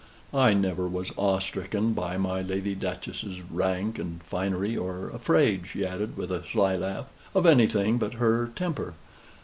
I never was awe stricken by my Lady Duchess's rank and finery, or afraid," she added, with a sly laugh, "of anything but her temper.